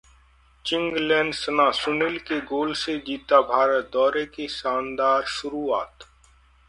चिंगलेनसना, सुनील के गोल से जीता भारत, दौरे की शानदार शुरुआत